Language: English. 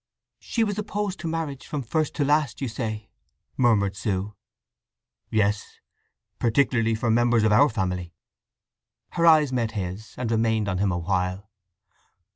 "She was opposed to marriage, from first to last, you say?" murmured Sue. "Yes. Particularly for members of our family." Her eyes met his, and remained on him awhile.